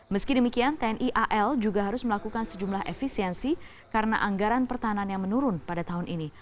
meski demikian tni al juga harus melakukan sejumlah efisiensi karena anggaran pertahanan yang menurun pada tahun ini